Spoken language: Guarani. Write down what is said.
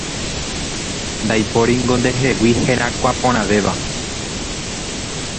Ndaipóringo ndehegui herakuãporãvéva